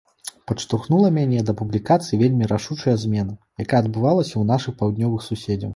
Падштурхнула мяне да публікацыі вельмі рашучая змена, якая адбылася ў нашых паўднёвых суседзяў.